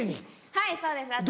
はいそうです。